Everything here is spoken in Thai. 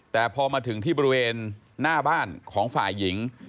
แต่พอมาถึงที่บริเวณหน้าบ้านของฝ่ายหญิง